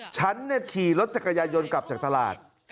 ฉันขี่รถจักรยายนกลับจากตลาด